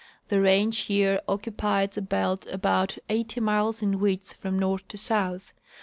The range here occupies a belt about eighty miles in width from north to south.